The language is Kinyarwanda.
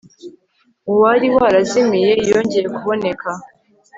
uwari warazimiye yongeye kuboneka